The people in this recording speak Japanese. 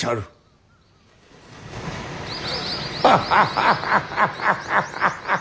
ハハハハハハハ。